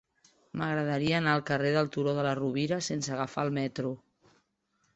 M'agradaria anar al carrer del Turó de la Rovira sense agafar el metro.